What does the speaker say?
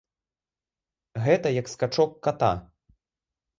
Гэта як скачок ката.